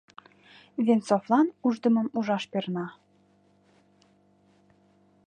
Венцовлан уждымым ужаш перна.